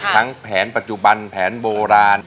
แผนปัจจุบันแผนโบราณ